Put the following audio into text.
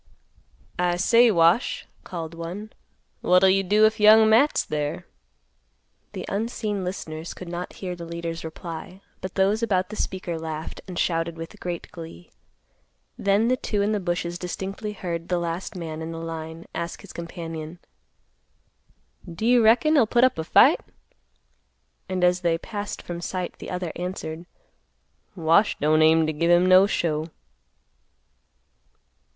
"I say, Wash," called one, "What'll you do if Young Matt's there?" The unseen listeners could not hear the leader's reply; but those about the speaker laughed and shouted with great glee. Then the two in the bushes distinctly heard the last man in the line ask his companion, "Do you reckon he'll put up a fight?" and as they passed from sight, the other answered, "Wash don't aim t' give him no show."